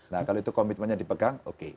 nah kalau itu komitmennya dipegang oke